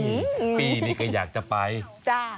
สวัสดีเจ้าสวัสดีเจ้านี่ปี้นี่ก็อยากจะไปจ้ะ